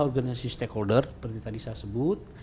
organisasi stakeholder seperti tadi saya sebut